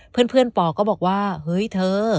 เพื่อนปอก็บอกว่าเฮ้ยเธอ